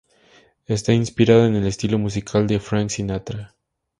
Está inspirada en el estilo musical de Frank Sinatra.